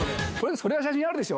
それは写真あるでしょ？